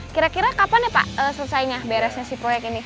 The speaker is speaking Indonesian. kira kira kapan ya pak selesainya beresnya si proyek ini